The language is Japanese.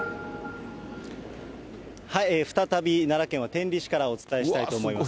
再び奈良県は天理市からお伝えしたいと思います。